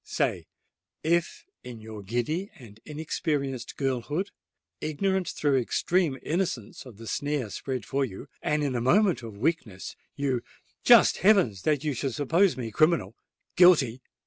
Say—if in your giddy and inexperienced girlhood—ignorant through extreme innocence of the snare spread for you—and in a moment of weakness—you——" "Just heavens! that you should suppose me criminal—guilty!"